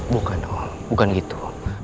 bukan om bukan gitu